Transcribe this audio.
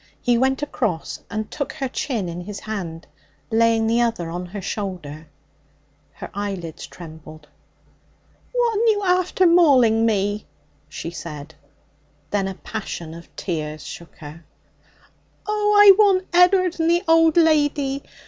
He went across and took her chin in his hand, laying the other on her shoulder. Her eyelids trembled. 'What'n you after, mauling me?' she said. Then a passion of tears shook her. 'Oh, I want Ed'ard and the old lady!